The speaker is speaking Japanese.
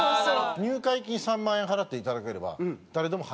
入会金３万円払っていただければ誰でも入れます。